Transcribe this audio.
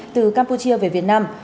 từ campuchia về việt nam